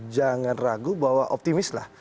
jangan ragu bahwa optimis lah